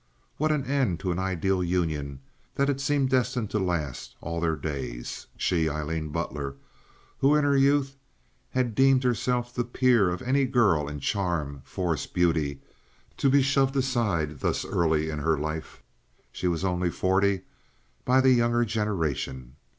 What an end to an ideal union that had seemed destined to last all their days! She, Aileen Butler, who in her youth had deemed herself the peer of any girl in charm, force, beauty, to be shoved aside thus early in her life—she was only forty—by the younger generation.